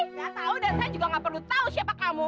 saya tahu dan saya juga gak perlu tahu siapa kamu